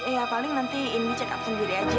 ya paling nanti indi cek up sendiri aja